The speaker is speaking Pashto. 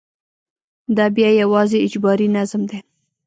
دا بیا یوازې اجباري نظم دی.